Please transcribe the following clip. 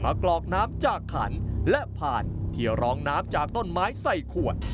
กรอกน้ำจากขันและผ่านที่รองน้ำจากต้นไม้ใส่ขวด